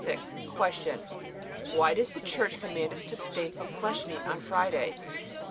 Q. Why does the Church command us to abstain from flesh meat on Fridays?